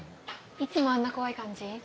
いつもあんな怖い感じ？